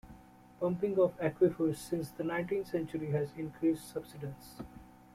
Pumping of aquifers since the nineteenth century has increased subsidence.